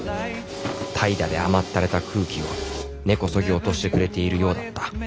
怠惰で甘ったれた空気を根こそぎ落としてくれているようだった